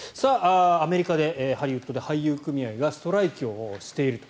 アメリカ、ハリウッドで俳優組合がストライキをしていると。